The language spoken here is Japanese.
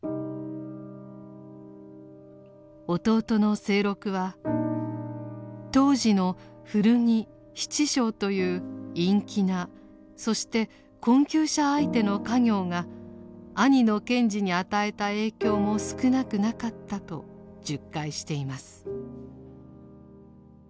弟の清六は「当時の古着・質商という陰気なそして困窮者相手の家業が兄の賢治に与えた影響も少なくなかった」と述懐しています。